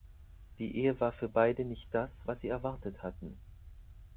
Die Ehe war für beide nicht das, was sie erwartet hatten.